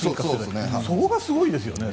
そこがすごいですよね。